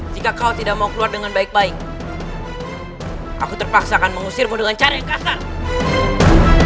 jika kau tidak mau keluar dengan baik baik aku terpaksa akan mengusirmu dengan cara yang kasar